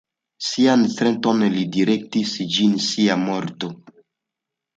Sian centron li direktis ĝis sia morto.